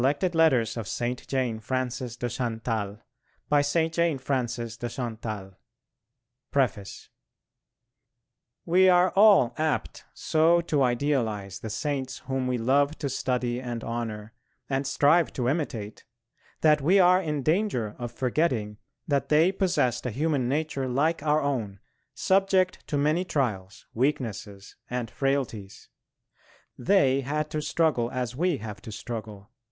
PATERNOSTER ROW, LONDON AND AT MANCHESTER, BIRMINGHAM, AND GLASGOW All rights reserved 1918 PREFACE We are all apt so to idealise the Saints whom we love to study and honour, and strive to imitate, that we are in danger of forgetting that they possessed a human nature like our own, subject to many trials, weaknesses and frailties. They had to struggle as we have to struggle.